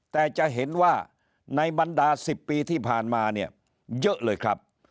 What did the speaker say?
แต่จะเห็นว่าในบรรดา๑๐ปีที่ผ่านมาเนี่ยเยอะเลยครับ